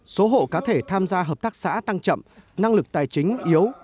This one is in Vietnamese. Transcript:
số hộ cá thể tham gia hợp tác xã tăng chậm năng lực tài chính yếu